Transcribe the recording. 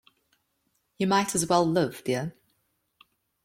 You might as well live dear.